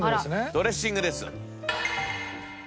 ドレッシングです。